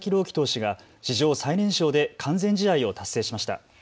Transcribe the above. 希投手が史上最年少で完全試合を達成しました。